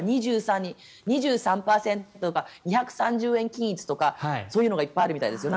２３％とか、２３０円均一とかそういうのがいっぱいあるみたいですよ。